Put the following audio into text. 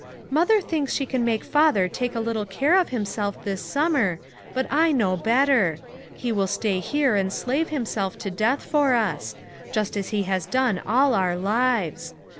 "Mother thinks she can make Father take a little care of himself this summer, hut T know hotter. He will stay here and slave himself to death for us; just as lie has done all our lives.